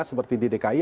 seperti di dki